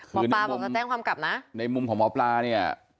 หมอปลาผมจะแจ้งความกลับนะคือในมุมในมุมของหมอปลานี่